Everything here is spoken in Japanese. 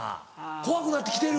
怖くなって来てる？